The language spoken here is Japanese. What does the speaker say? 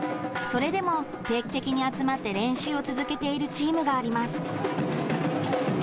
それでも定期的に集まって練習を続けているチームがあります。